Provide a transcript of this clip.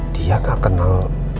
dia gak kenal